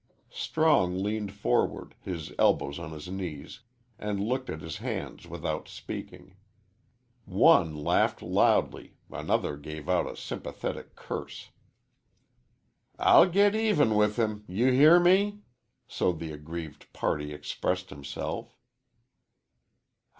Strong leaned forward, his elbows on his knees, and looked at his hands without speaking. One laughed loudly, another gave out a sympathetic curse. "I'll git even with him you hear me." So the aggrieved party expressed himself.